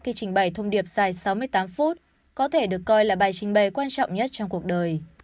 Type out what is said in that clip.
khi trình bày thông điệp dài sáu mươi tám phút có thể được coi là bài trình bày quan trọng nhất trong cuộc đời